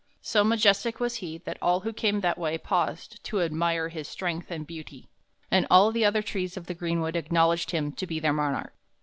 So majestic was he that all who came that way paused to admire his strength and beauty, and all the other trees of the greenwood acknowledged him to be their monarch.